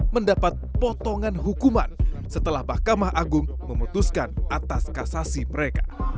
mendapat potongan hukuman setelah mahkamah agung memutuskan atas kasasi mereka